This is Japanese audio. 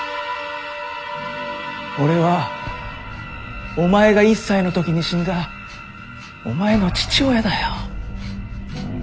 俺はお前が１歳の時に死んだお前の父親だよ。